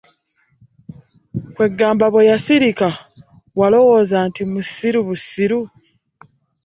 Kweggamba bwe yasirika walowooza nti musiru busiru?